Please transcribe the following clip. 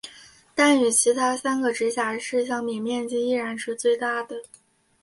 但与其他三个直辖市相比面积依然是最大的。